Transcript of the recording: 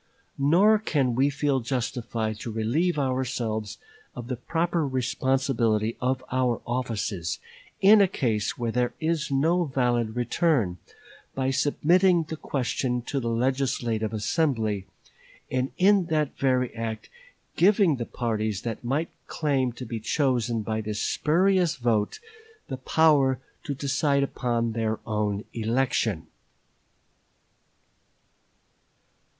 Nor can we feel justified to relieve ourselves of the proper responsibility of our offices, in a case where there is no valid return, by submitting the question to the legislative assembly, and in that very act giving the parties that might claim to be chosen by this spurious vote the power to decide upon their own election."